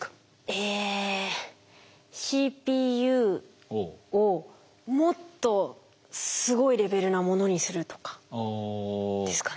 えＣＰＵをもっとすごいレベルなものにするとかですかね？